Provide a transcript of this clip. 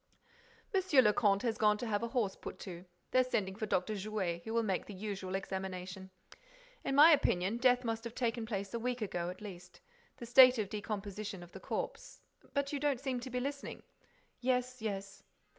"Monsieur le Comte has gone to have a horse put to. They're sending for Dr. Jouet, who will make the usual examination. In my opinion, death must have taken place a week ago, at least. The state of decomposition of the corpse—but you don't seem to be listening—" "Yes, yes."